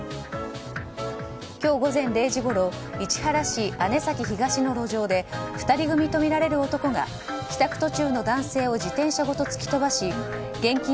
今日午前０時ごろ市原市姉崎東の路上で２人組とみられる男が帰宅途中の男性を自転車ごと突き飛ばし現金